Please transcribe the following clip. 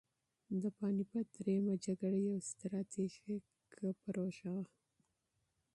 د پاني پت درېیمه جګړه یوه ستراتیژیکه سوبه وه.